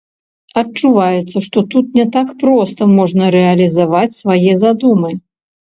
Адчуваецца, што тут не так проста можна рэалізаваць свае задумы?